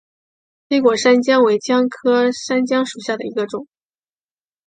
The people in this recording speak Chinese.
黑果山姜为姜科山姜属下的一个种。